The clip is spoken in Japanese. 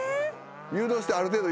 誘導してある程度。